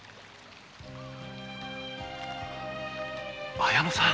綾乃さん。